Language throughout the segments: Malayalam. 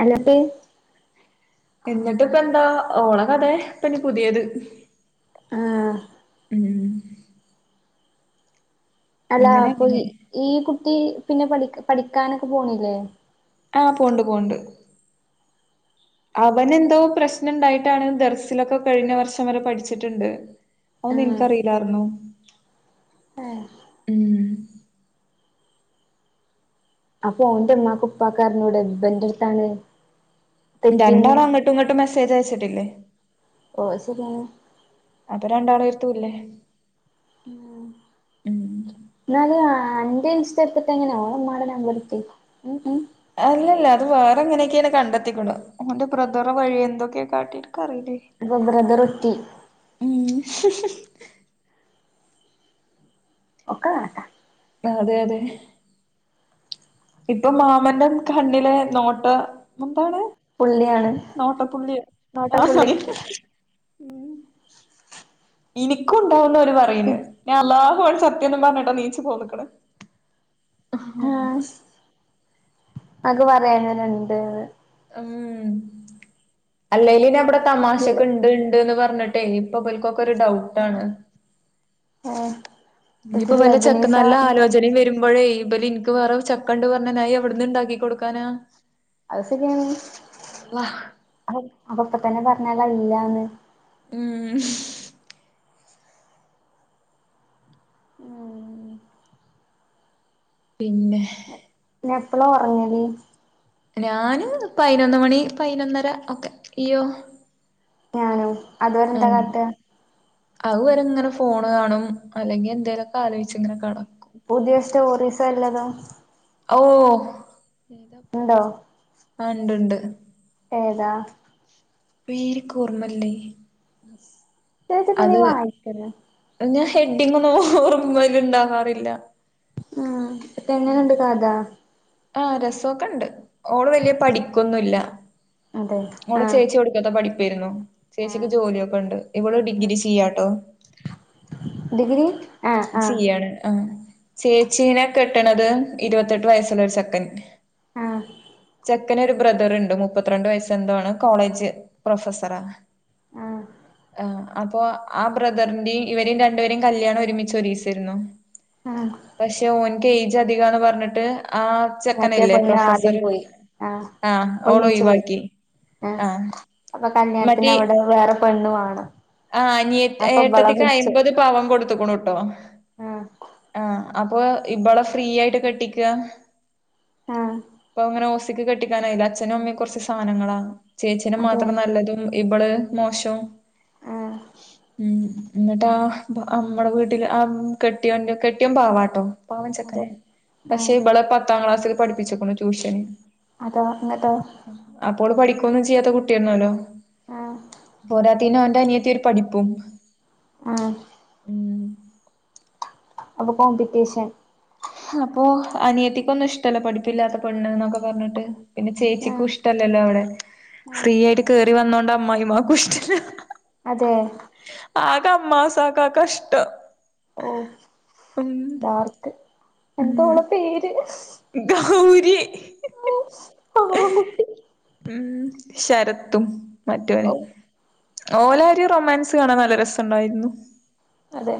അല്ല പ്പി എന്നിട്ട് ഇപ്പ എന്താ ഓള കഥെ ഇപ്പ ഇനി പുതിയത് ആഹ് ഉം അല്ല അങ്ങനെ അപ്പൊ അങ്ങനെ ഇ ഈ കുട്ടി പിന്നെ പഠി പഠിക്കാനൊക്കെ പോണില്ലേ ആഹ് പോണ്ട് പോണ്ട് അവനെന്തോ പ്രശ്നം ഉണ്ടായിട്ടാണ് ദർസിലൊക്കെ കഴിഞ്ഞ വർഷം വരെ പഠിച്ചിട്ടുണ്ട് ആ അഒന്നും ഇൻക്ക്റിയില്ലാർഞു ഏഹ് അപ്പൊ അയ്ന്റെ ഉമ്മാക്ഉപ്പാക്ക് അറിഞ്ഞുടെ ഇവന്റെടുത്താണ് രണ്ടാളും അങ്ങോട്ടും ഇങ്ങോട്ടും മെസ്സേജ് അയച്ചിട്ടില്ലേ? ഓ ശരിയാന്ന് അത് രണ്ടാളേ ഇരുത്തൂല്ലേ ഉം എന്നാലല് അന്റെ ഇൻസ്റ്റ് എടുത്തിട്ട് എങ്ങനെയ ഓൾ അവന്മാരുടെ നമ്പർ എടുത്ത് ഉം ഉം അല്ലല്ല അത് വേറെ എങ്ങനെയൊക്കെയെ കണ്ടെത്തിക്കണു ഓന്റെ ബ്രദറ് വഴി എന്തൊക്കെയ കാട്ടി എൻക്കറില്ലെ പ്പബ്രദർഎത്തി. ഉം ഒക്ക കറക്ട അതെ അതെ ഇപ്പൊ മാമന്റേ കണ്ണിലെ നോട്ട എന്താണ്? പുള്ളിയാണ് നോട്ടപ്പുള്ളിയ നോട്ട ആ പുള്ളി ഉം എന്ക്കു ഉണ്ടാവുന്നു ഒരു പറയണ്. ഞാൻ അള്ളാഹു ആണെ സത്യംഎന്നു പറഞ്ഞിട്ടോ നീച്ചു പോന്നക്കണ്. ആഹ് അത് പറയാന രണ്ടുന്ന് ഉം അല്ലേലും നഅവിടെ ഇതില് തമാശക്കെ ഉണ്ട്ണ്ട്ന്ന് പറഞ്ഞി ട്ടേ ഇപ്പൊ ഇബര്ക്കൊക്കെ ഒരു ഡൗട്ടാണ്. ആഹ് ഇനിയിപ്പോ വല്ല ചെക്ക് നല്ല ആലോചനയും വരുമ്പോഴേ ഇബലിൻക് വേറെ ഒരുചെക്കൻ ഉണ്ടു പറഞ്ഞ നായി എവിടന്ന് ഉണ്ടാക്കി കൊടുക്കാനാ? അത് ശരിയാണ് അള്ളാ അ അപ്പൊപ്പ തന്നെ പറഞ്ഞാലോ അയില്ലാന്ന്. ഉം ഉം പിന്നെ? ന്നെ എപ്പളാ ഒറങ്ങല്? ഞാനു പയിനൊന്ന് മണി പയിനൊന്നര ഒക്കെ ഇയ്യോ ഞാനും അതുവരെ എന്താ കാട്ടാ അവുരെ ഇങ്ങനെ ഫോണ് കാണും അല്ലെങ്കിൽ എന്തേലുമൊക്കെ ആലോചിച്ച് ഇങ്ങനെ കെട പുതിയ സ്റ്റോറിസ് വല്ലതും ഔ ഒ ഉണ്ടോ അഹ് ഇണ്ട്ണ്ട്. ഏതാ? പീലിക്കുർന്നല്ലേ. ചേച്ചി പിന്നെയും വായിക്കണ്- ഞാൻ ഹെഡിങ്ങൊന്നും ഓർമയിൽ ഇണ്ടാകാറില്ല. ഉം ഇപ്പ ത് എങ്ങനുണ്ട് കഥ? ആഹ് രസൊക്കെണ്ട് ഓള് വലിയ പഠിക്കൊന്നുമില്ല അതെ ഓള് ആഹ് ചേച്ചി പഠി ഒടുക്കത്തെ പഠിപ്പിയായിരുന്നു ആഹ് ചേച്ചിക്ക് ജോലിയൊക്കെണ്ട് ഇവള് ഡിഗ്രി ചെയ്യാട്ടോ. ഡിഗ്രി ആഹ് ആഹ് ചെയ്യാണ് ആഹ് ചേച്ചീനെ കെട്ടണത് ഇരുപത്തെട്ട് വയസ്സുള്ള ഒരു ചെക്കൻ. ആഹ് ചെക് ചെക്കനൊരു ബ്രദറുണ്ട് മുപ്പത്തി രണ്ട് വയസ്സ് എന്തോ ആണ് കോളേജ് പ്രൊഫസറാ. ആഹ് ആഹ് അപ്പൊ ആ ബ്രദറിന്റെയും ഇവരെയും രണ്ടുപേരയും കല്യാണം ഒരുമി ച്ചൊഒരീസായിരിന്നു. ആണോ? പക്ഷെ ഓൻക്ക് ഏജ് അധികാന്ന് പറഞ്ഞിട്ട് ആഹ് മറ്റേ ചെക്കനില്ലേ പെണ്ണ് ആദ്യം പ്രൊഫസർ പോയി ആഹ് ഓളെ ഒന്നിച്ചു പോയി ഒഴിവാക്കി ആഹ് അപ്പൊ കല്യാണത്തിന് മറ്റേ അവിടെ വേറെ പെണ്ണുവേണം. ആഹ് അനിയ ഏട്ടത്തിക്ക് അയിമ്പത് പവൻ കൊടുത്തുക്കുണുട്ടോ ആഹ് ആഹ്. അപ്പൊ ഇബളെ ഫ്രീ ആയിട്ട് കെട്ടിക്ക ആഹ് അപ്പൊ അങ്ങനെ ഓസി കെട്ടിക്കാനായില്ല അഛനും അമ്മയും കൊറ്ച്ച് സാനങ്ങള ചേച്ചനും അതെ മാത്രം നല്ലത് ഇബള് മോശ്വം ആഹ് ഉം ഉം ഇന്നട്ടൊ അമ്മടെ വീട്ടില് അം. കെട്ടിയോന്റെ കെട്ടിയോൻ പാവാട്ടോ പാവം അതെ ചെക്കന്. ആഹ് പക്ഷെ ഇബെളെ പത്താം ക്ലാസ്സ്ല് പഠിപ്പിച്ചിക്കുണു ട്യൂഷന് അതാ ഇന്നട്ടോ ഉം അപ്പോ ഓള് പഠി ക്കൊന്നു ചെയ്യാത്ത കുട്ട്യാണാല്ലോ. ആഹ് പോരാത്തെയ്ന് ഓന് അനിയത്തി ഒരു പഠിപ്പും ആഹ് ഉം അപ്പൊ കോംമ്പറ്റീഷൻ അപ്പോ അനിയത്തിക്കൊന്നും ഇഷ്ടല്ല പഠപ്പില്ലാത്ത പെണ്ണ് ഇന്നൊക്കെ പറ്ഞ്ഞിട്ട്. പിന്നെ ചേച്ചിക്കും ആഹ് ഇഷ് ഇഷ്ടല്ലല്ലോ ഇവളെ. ഫ്രീ ആഹ് ആയിട്ട് കേറി വന്നോണ്ട് അമ്മായിമാക്കും ഇഷ്ടല്ല അതെ ആകെ അമ്മാസാക്കാക്കഷ്ട ഓ ഡാർക്ക് ഉം എന്താ ഓളെ പേര് ഗൗരി പാവം കുട്ടി ഉം ശരത്തും മറ്റവന് ഓഹ് ഓലാര് റൊമാൻസ് ഇത് കാണാൻ നല്ല രസ ഇണ്ടായിര്ന്നു അതെ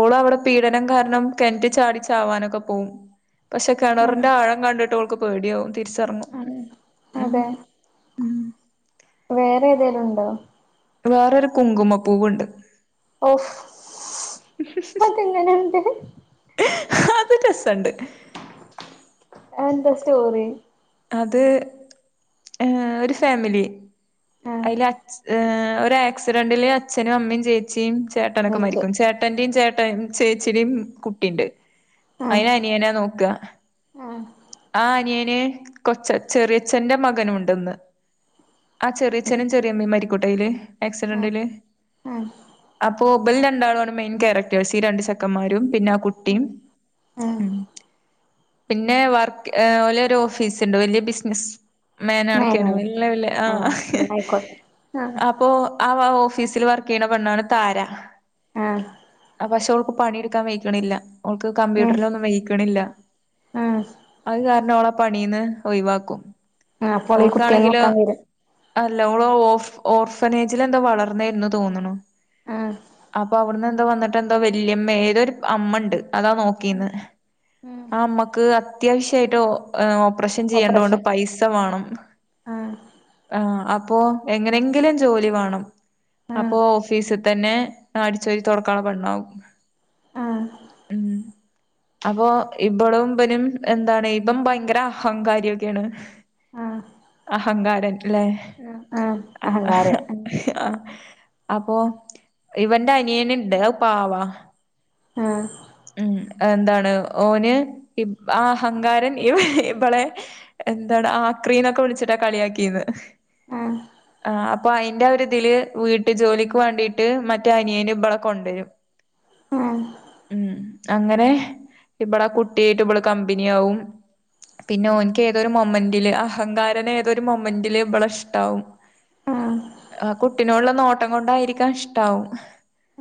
ഓള് അവിടെ പീഡനം കാര്ണം കെൻറ്റി ചാടി ചാവാനൊക്കെ പോവും. പക്ഷെ ആഹ് കെണറിന്റെ ആഴം കണ്ടിട്ട് ഓൾക്ക് പേട്യാവും. തിരിച്ചറങ്ങും അതെ ഉം അതെ ഉം വേറെ ഏതേലുണ്ടോ വേറൊരു കുങ്കുമ പൂവുണ്ട് ഓഫ് അതെങ്ങനെണ്ട് [inaudible] ഹെ ഹ് അത് രസണ്ട് അത് എന്ത സ്റ്റോറി. അത് ഏഹ് ഒരു ഫാമിലി. ആഹ് അയ്ല് അച് ഏഹ് ഒര് ആക്സിഡന്റില് അച്ഛനും അമ്മിം ജെയ് ചേച്ചിം ചേട്ടനൊക്കെ വെച്ച് മരിക്കും. ചേട്ടന്റിം ചേട്ട ചേച്ചിയുടി കുട്ടി ഇണ്ട്. ആഹ് അയിന അനിയനാ നോക്ക. ആഹ് ആ അനിയന്. കൊച്ച് ചെറിയച്ഛന്റെ മകനൂണ്ട് ഇന്ന്. ആ ചെറിയച്ഛനും ചെറിയമ്മീം മരിക്കുട്ടയില് ആഹ് ആക്സിഡന്റില്. ആഹ് അപ്പൊ ഇബൽ രണ്ടാളു ആണ് മെയിൻ ക്യാരക്ടേഴ്സ്. ഈ രണ്ടു ചെക്കന്മാരും പിന്നെ ആ കുട്ടിം. ആഹ് ഉം പിന്നെ വർക്ക് ഏഹ് ഓലെ ഒര് ഓഫീസ് ഇണ്ട് വല്യ ബിസ്നസ്. മേലെ മേനാണ്ക്കേണ് വെല്ല വെല്ല ആഹ് ആഹ് അപ്പൊ. ആഹ് ആ ഓഫീസില് വർക്ക് ചെയ്യ്ണ പെണ്ണാണ് താര. ആഹ്. പക്ഷെ ഓൾക്ക് പണി ഇടുക്കാൻ വെഴക്ക്ണില്ല. ഒൾക്ക് ഉം കമ്പ്യൂട്ടറ് ലൊന്നും വെയ്ക്ക്ണില്ല. ഉം അത് കാര്ണം അവളെ പണീന്ന് ഒഴിവാക്കും. ആഹ് അപ്പോൾ ഈ കുട്ടിയെ ഓൾക്കാണെങ്കിലോ. നോക്കാൻ വരും അല്ല ഓള് ഓഫ് ഓർഫനേജിൽ എന്തോ വളർന്നേന്ന് തോന്ന്ണു. ആഹ് അപ്പൊ അവിട്ന്ന് എന്തോ വന്നിട്ട് എന്തോ വല്യമ്മ ഏതോരു അമ്മ ഇണ്ട് അതാ നോ ക്കീന്ന് ഉം ആ അമ്മക്ക് അത്യാവശ്യായിട്ടോ? ഓപ്പറേഷൻ ചെയ്യേണ്ടോണ്ട് ഓപ്പറേഷൻ പൈസ വാണം. ആഹ് ആഹ് അപ്പോ എങ്ങനെങ്കിലും ജോലി വാണം ആഹ് അപ്പൊഫ് ഫീസ് തന്നെ അടിച്ച് വാരി തൊടാക്കാള്ള പെണ്ണാവും. ആഹ് ഉം അപ്പൊ ഇബളും ഇബനും. എന്താണ് ഇബൻ ഭയങ്കര അഹങ്കാരിഒക്കേണ് അഹങ്കാരൻല്ലെ. അഹ് അഹ് അഹങ്കാരൻ. ആഹ് അപ്പൊ ഇവന്റെ അനിയന് ഇണ്ട് അത് പാവാ ആഹ്. ഉം എന്താണ് ഓന് ഈ ആ അഹങ്കാരൻ ഇബളെ എന്താണ് ആക്രീന്നൊക്കെ വിളിച്ചിട്ടാ കളിയാക്കിന്ന് ആഹ് ആ അപ്പൊ അതിന്റെ ഒരുരിതില് വീട്ട് ജോലിക്ക് വേണ്ടിയിട്ട് മറ്റേ അനിയേന് ഇവളെ കൊണ്ടരും. ആഹ് ഉം അങ്ങനെ ഇബളെ കുട്ടിയായിട്ട് ഇബള് കമ്പനി ആവും പിന്നെ ഓൻക്ക് ഏതൊരു മോമ്മന്റല് അഹങ്കാരന് ഏതൊരു മോമ്മന്റില് ഇവളെ ഇഷ്ടാവും ആഹ് ആ കുട്ടിനോടുള്ള നോട്ടം കൊണ്ടായിരിക്ക ഇഷ്ടാവും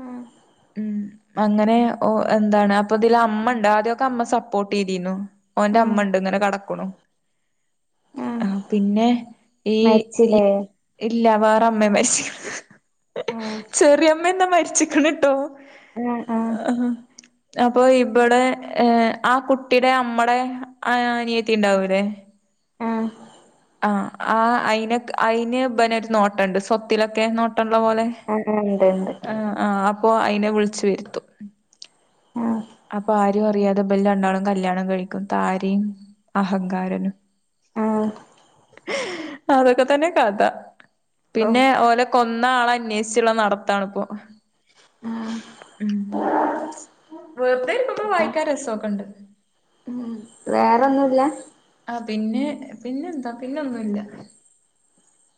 ആഹ് ഉം അങ്ങനെ ഓ എന്താണ് അപ്പൊ ഇതില് അമ്മ ഇണ്ട് ആദ്യഒക്കെ അമ്മ സപ്പോർട്ട് ചെയ്തിരുന്നു ഓന്റെ അമ്മ ആഹ് ഇണ്ട് ഇങ്ങനെ കെടക്ക്ണു ആഹ് പിന്നെ ഈ ഈ മരിച്ചില്ലേ ഇല്ല വേറെമ്മെ മരിച്ച്ക്ക്ണ് ആഹ് ചെറിയമ്മന്ന് മരിച്ചിക്ക്ണ് ട്ടോ ആഹ് ആഹ് ആഹ് ഹാ അപ്പൊ ഇപടെ ആ കുട്ടിയുടെ അമ്മടെ അനിയത്തി ഉണ്ടാവൂല്ലേ ആഹ് ആഹ് ആഹ് അയിന അയിന് പിനെ ഒരു നോട്ടണ്ട് സ്വത്തിലൊക്കെ നോട്ടള്ള പോലെ. ആഹ് ഇണ്ട് ഇണ്ട് ആഹ് ആഹ് അപ്പൊ അയിനെ വിളിച്ചു വരുത്തും ആഹ്. അപ്പൊ ആരും അറിയാതെ ഇബല് രണ്ടാളും കല്ല്യാണം കഴിക്കും താരിം അഹങ്കാരനും ആഹ്. അതൊക്കെത്തന്നെ കഥ ഔ പിന്നെ ഓല് കൊന്ന ആള അന്വേഷിച്ചുള്ള നടത്താണിപ്പോ ആഹ് [inaudible] വെറുതെയിരിക്കുമ്പോ വായിക്കാന് രസൊക്കെയിണ്ട് ഉ വേറെയൊന്നുല്ല ആ പിന്നെ പിന്നെന്താ പിന്നൊന്നുല്ല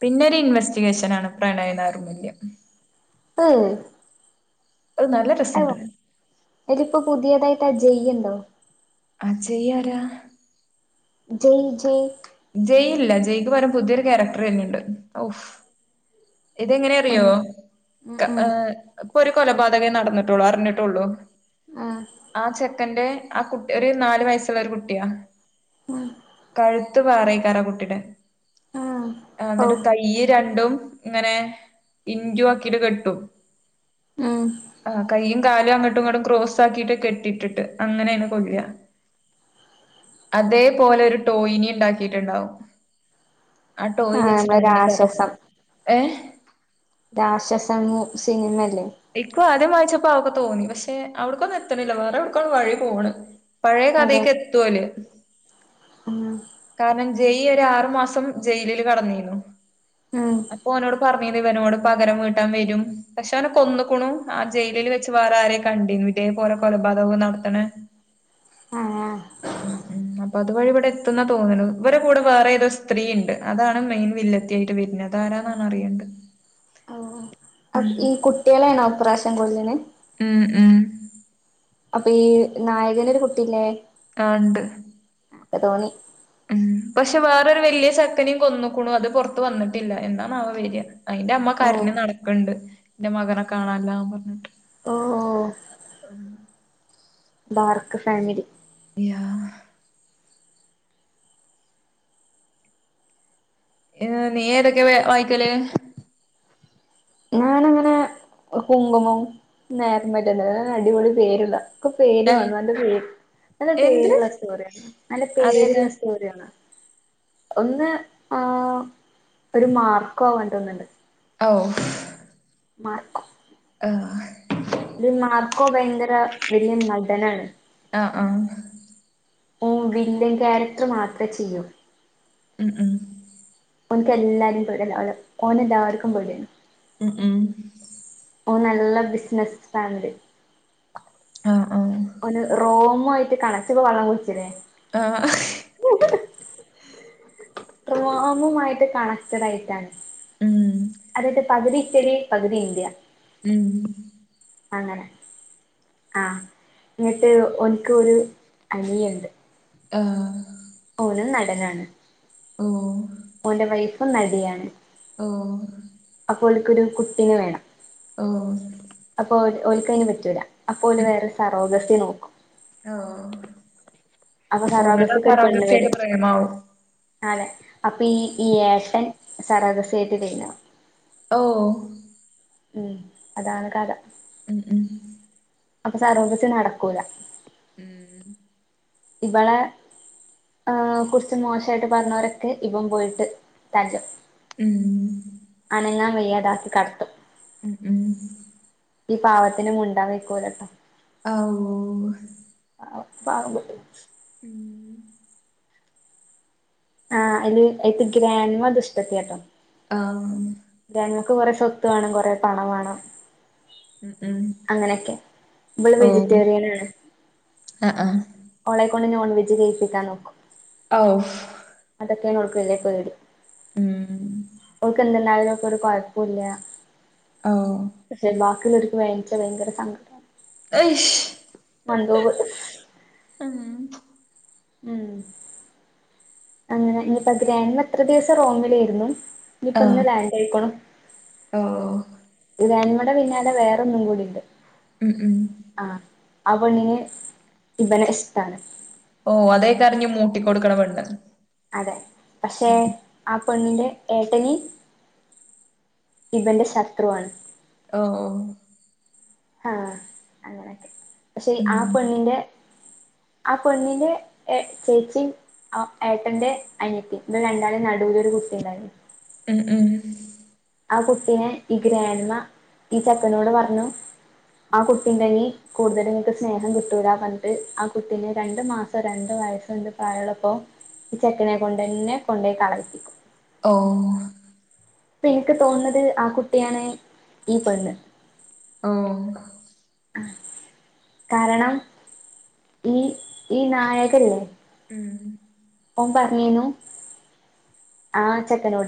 പിന്നെ ഒരു ഇൻവെസ്റ്റിഗേഷൻ ആണ് പ്രണയധാർമല്യം പ്പ് അ നല്ലേ അതോ ഇതിലിപ്പോ പുതിയതായിട്ട്ട് ജയ് ഉണ്ടോ അ ജയ് ആരാ ജയ് ജയ് ജയ് ഇല്ല ജയ്ക്ക് പകരം പുതിയൊരു ക്യാരക്ടർ വെരുന്നുണ്ട് ഓഫ് എ ഇതെങ്ങനെറിയോ ഉം ഉം ഇപ്പൊരു ക കൊലപാതകേ നടന്നിട്ടുള്ളൂ അറിഞ്ഞിട്ടുള്ളൂ ആഹ് ആ ചെക്കന്റെ ആ കുട്ടി ഒരു നാല് വയസ്സുള്ളൊരു കുട്ടിയാ ഉം കഴു [unintelligible] വേറയ്ക്കാറാ കുട്ടിടെ ആ ഓ എന്നിട്ട് കയ്യ് രണ്ടും ഇങ്ങനെ ഇന്റു ആക്കിട്ട് കെട്ടും ഉം ആ കൈയും കാലും അങ്ങോട്ടും ഇങ്ങട്ടും ക്രോസ് ആക്കിട്ട് കെട്ടിട്ടിട്ട് അങ്ങനെയാണ് കൊല്ലുവാ അതേപോലെ ഒരു ടോയ്നിം ഉണ്ടാക്കിയിട്ടുണ്ടാവും. ആ ടോയ് നമ്മളെ വെച്ചിട്ടാണ് രാക്ഷസം [unintelligible] ഏഹ്. രാക്ഷസമൂ സിനിമല്ലേ നിക്കും ആദ്യം വായിച്ചപ്പോ അതൊക്കെ തോന്നി പക്ഷെ അവിടക്കൊന്നും എത്തണില്ല വേറെ എവിടോക്കാണ് വഴി പോണ് ' പഴയ അതെ കഥക്ക് എത്തുവോല് ഉം കാരണം ജെയ് ഒരാറ് മാസം ജയിലില് കെടന്നിരുന്നു. ആഹ് അപ്പൊ ഓനോട് പറഞ്ഞിന് ഇവനോട് പകരം വീട്ടാൻ വരും പക്ഷെ അവനെ കൊന്നുക്കുണു ആ ജയിലിൽ വെച്ച ജ്ജ് വേറെ ആരേ കണ്ടിനോ ഇതേപോല കൊലപാതകവും നടത്തണെ ആഹ് ഉം ഉം അപ്പൊ അതുവഴി ഇവിടെ എത്തുന്ന തോന്നുന്നു ഇവരെ കൂടെ വേറെയേതോ സ്ത്രീയുണ്ട് അതാണ് മെയിൻ വില്ലത്തി. [unintelligible] താരന്നാണ് അറിയണ്ട് അ ഉം ഈ കുട്ടികളെ ആണോ ഇപ്രാവശ്യം കൊല്ലണ് ഉം ഉം അപ്പൊ ഈ നായകനൊരു കുട്ടില്ലേ? ആ ഇണ്ട് ക്ക് തോന്നി ഉം പക്ഷെ വേറൊരു വല്യ ചെക്കനേം കൊന്നക്ക്ണു അത് പൊറത്ത് വന്നിട്ടില്ല എന്നാണാവോ വര അയിന്റെമ്മ ഓ കരഞ്ഞ് നടക്കണ്‌ണ്ട് എന്റെ മകനെ കാണാനില്ലാന്ന് പറഞ്ഞിട്ട് ഓ ഓഹോ ഉം ഡാർക്ക് ഫാമിലി യാ നീ ഏതൊക്കെയാ വായിക്കല്? ഞാനങ്ങനെ കുങ്കുമം നേർമല്യം അടിപൊളി സീരിയലാ പേരു വാണം നല്ല പേര് നല്ല എന്ത് പേരുള്ള സ്റ്റോറി നല്ല അതേതാ പേരുള്ള സ്റ്റോറി ഒന്ന് ആ ഒരു മാർക്കോ ആവാണ്ട്ന്നുണ്ട് [unintelligible] മാർക്കോ [unintelligible] ഇത് മാർക്കോ ഭയങ്കര വല്യ നടനാണ്. ആഹ് ആഹ് ഓൻ വില്ലൻ ക്യാരക്റ്റർ മാത്ര ചെയ്യൂ. ഉം ഉം ഓനക്ക് എല്ലാവാരെ പേടിയാണ് [unintelligible] ഓനെ എല്ലാവര്ക്കും പേടിയാണ്. ഉം ഉം ഓൻ നല്ല ബിസ്നസ് ഫാമിലി ആഹ് ആഹ് ഓന് റോമായിട്ട് പ്പോ വള്ളം കുട്ച്ച് ലോ [unintelligible] ആ റോമ് മായിട്ട് കണക്റ്റടായിട്ടാണ് ഉം അതായത് - പകുതി ഇറ്റലി പകുതി ഇന്ത്യ. ഉം അങ്ങനെ ആ എന്നിട്ട് ഓൻക്ക്‌ ഒര് അനിയണ്ട് ഏഹ് ഓനും നടനാണ്. ഹലോ ഓന്റെ വൈഫും നടിയാണ്. [unintelligible] അപ്പോ ഓൽക്കൊരു കുട്ടീനെ വാണം. ആഹ് അപ്പൊ ഓ ഓല്ക്കയിന് പറ്റൂല അപ്പൊ ഓര് ഉം വേറെ സറോഗസി നോക്കും. ഓ അപ്പൊ ഓൻ സറോഗസിക്ക് പരാഗസിയിട്ട് പ്രമാവും നാലെ അപ്പ ഈ ഈ ഏട്ടൻ സർഗസിയിട്ട് [unintelligible] ഓ ഉം അതാണ് കഥ ഉം ഉം അപ്പ സരോഗസി നടക്കൂല ഉം ഇബെളെ ആഹ് കുറിച്ച് മോശായിട്ട് പർഞ്ഞാേരൊക്കെ ഇവൻ പോയിട്ട് തല്ലും ഉം അനങ്ങാം വയ്യാതാക്കി കടത്തും ഉം ഉം ഈ പാവത്തിന് മുണ്ടാം വെയ്ക്കൂലട്ടാ അവൂ ആഹ് പാവം കുട്ടി ഉം ആഹ് അയ്ല് അയ്ത്തെ ഗ്രാൻമ ദുഷ്ടത്ത്യാട്ടോ ആഹ് ഗ്രാൻമ്മക്ക്‌ കൊറേ സ്വത്ത് വാണം കൊറേ പണം വാണം ഉം ഉം അങ്ങനെക്കെ ഇബള് ഓ വെജിറ്റേറിയനാണ് ആഹ് ആഹ് ഓളെ കൊണ്ട് നോൺവെജ് കെയ്പ്പിക്കാൻ നോക്കും ഔഫ് അതൊക്കെയാണ് ഓൾക്ക് വെല്യെ പേടി ഉം ഓൾക്ക് എന്ത്ണ്ടായാലും ഓൾക്കൊര് കൊഴപ്പൂല്ല ഓഹ് പഷേ ബാക്കിയൊള്ളോര്ക്ക് വേദൻച്ചാ ഭയെങ്കെര സങ്കടാ അയ്ശ് മണ്ടൂ ഉം ഉം അങ്ങെനെ ഇനിയിപ്പ ഗ്രാൻമ ഇത്ര ദിവസം റോമിലേയ്ര്ന്നു ഇനിപ്പം ഇന്ന് ലാൻഡായിക്ക്ണു ഓഹ് ഗ്രാൻമെടെ പിന്നാലെ വേറെന്നും കൂടിണ്ട് ഉം ഉം ആഹ് ആ പെണ്ണിന് ഇബനെ ഇഷ്ടാണ് ഓഹ് അതേയ്ക്കാരഞ്ഞ് മൂട്ടിക്കൊട്ക്ക്ണ പെണ്ണ് അതെ പക്ഷെ ഉം ആ പെണ്ണിന്റെ ഏട്ടെന് ഇബെന്റെ ശത്രുവാണ് ഓഹ് ഓഹ് ആഹ് അങ്ങെനെക്കെ പക്ഷെ ഉം ആ പെണ്ണ്ന്റെ ആ പെണ്ണ്ന്റെ ഏഹ് ചേച്ചിം ആഹ് ഏട്ടെന്റെ അനിയത്തി ഇബല് രണ്ടാളിം നടൂലൊരു കുട്ടിണ്ടായി ഉം ഉം ആ കുട്ടിനെ ഈ ഗ്രാൻമ ഈ ചെക്കനോട് പർഞ്ഞു ആ കുട്ടിണ്ടെങ്കി കൂട്തലും ഇങ്ങക്ക് സ്നേഹം കിട്ടൂലാന്നർഞ്ഞ്ട്ട് ആ കുട്ടിനെ രണ്ട് മാസം രണ്ട് വയസ്സോ എന്തോ പ്രായള്ളപ്പോ ഈ ചെക്കനെ കൊണ്ടന്നെ കൊണ്ടാേയ് കളയിപ്പിക്കും ഓഹ് പ്പ ഇൻക്ക് തോന്ന്ന്നത് ആ കുട്ടിയാണ് ഈ പെണ്ണ് ഓഹ് കാരണം ഈ ഈ നായക ല്ലേ ഉം ഉം ഓൻ പർഞ്ഞീന്നു ആ ചെക്കനോട്